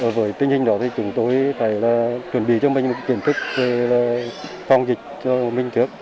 với tình hình đó thì chúng tôi phải chuẩn bị cho mình một kiến thức về phòng dịch cho mình trước